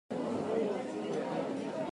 私は本を読むことが好きです。